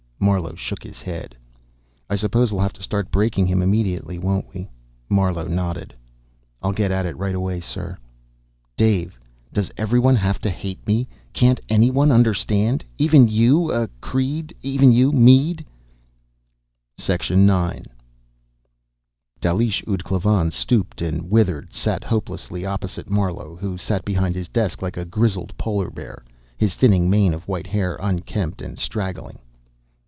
Marlowe shook his head. "I suppose we'll have to start breaking him immediately, won't we?" Marlowe nodded. "I'll get at it right away, sir." Dave! Does everyone have to hate me? Can't anyone understand? Even you, uh Creed. Even you, Mead? IX. Dalish ud Klavan, stooped and withered, sat hopelessly, opposite Marlowe, who sat behind his desk like a grizzled polar bear, his thinning mane of white hair unkempt and straggling.